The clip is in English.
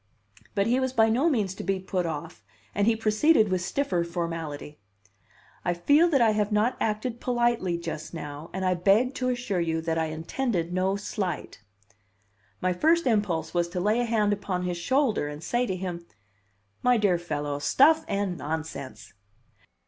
But he was by no means to be put off, and he proceeded with stiffer formality: "I feel that I have not acted politely just now, and I beg to assure you that I intended no slight." My first impulse was to lay a hand upon his shoulder and say to him: "My dear fellow, stuff and nonsense!"